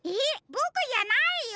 ボクじゃないよ！